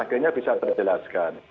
akhirnya bisa terjelaskan